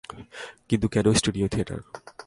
কিন্তু কেন studio theatre?